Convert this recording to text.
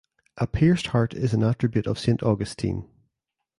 A pierced heart is an attribute of Saint Augustine.